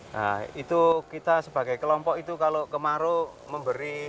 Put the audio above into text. nah itu kita sebagai kelompok itu kalau kita melakukan penanaman kita harus memiliki kebanyakan penanaman